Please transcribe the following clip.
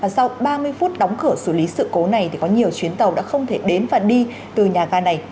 sau ba mươi phút đóng cửa xử lý sự cố này thì có nhiều chuyến tàu đã không thể đến và đi từ nhà ga này